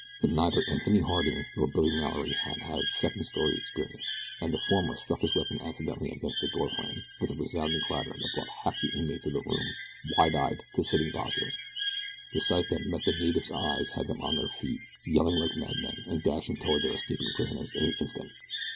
But neither Anthony Harding nor Billy Mallory had had second story experience, and the former struck his weapon accidentally against the door frame with a resounding clatter that brought half the inmates of the room, wide eyed, to sitting postures. The sight that met the natives' eyes had them on their feet, yelling like madmen, and dashing toward their escaping prisoners, in an instant.